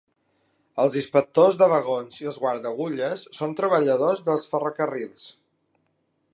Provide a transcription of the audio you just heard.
Els inspectors de vagons i els guardaagulles són treballadors dels ferrocarrils.